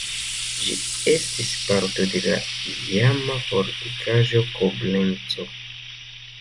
Ĝi estis parto de la iama fortikaĵo Koblenco.